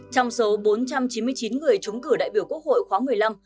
trong số bốn trăm chín mươi chín người trúng cử đại biểu quốc hội khóa một mươi năm